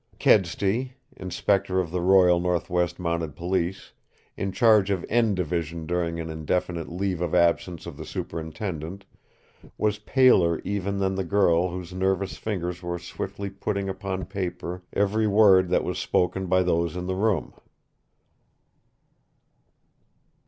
Kedsty, Inspector of the Royal Northwest Mounted Police, in charge of N Division during an indefinite leave of absence of the superintendent, was paler even than the girl whose nervous fingers were swiftly putting upon paper every word that was spoken by those in the room.